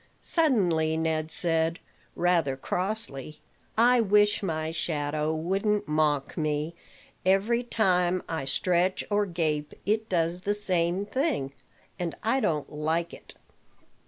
Suddenly Ned said, rather crossly, "I wish my shadow wouldn't mock me. Every time I stretch or gape it does the same, and I don't like it."